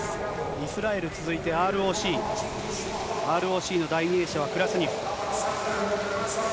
イスラエル続いて、ＲＯＣ、ＲＯＣの第２泳者はクラスニフ。